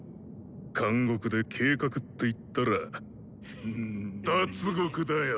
監獄で計画っていったら脱獄だよ。